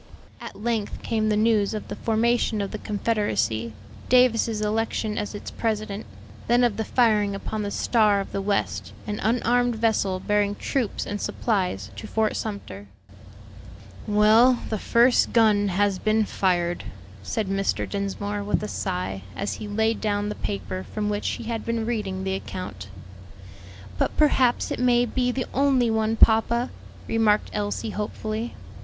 At length came the news of the formation of the Confederacy: Davis's election as its president; then of the firing upon the Star of the West, an unarmed vessel bearing troops and supplies to Fort Sumter. "Well, the first gun has been fired," said Mr. Dinsmore, with a sigh, as he laid down the paper from which he had been reading the account. "But perhaps it may be the only one, papa," remarked Elsie hopefully.